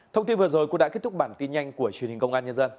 thông tin vừa rồi cũng đã kết thúc bản tin nhanh của truyền hình công an nhân dân